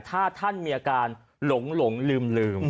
ถ้าท่านมีอาการหลงลืม